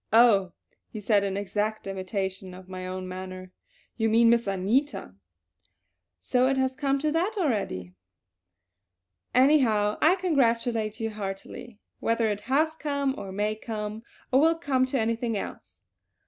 "Oh," he said in exact imitation of my own manner. "You mean Miss Anita! So it has come to that already! Anyhow I congratulate you heartily, whether it has come, or may come, or will come to anything else."